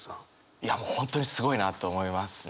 いやもう本当にすごいなと思いますね。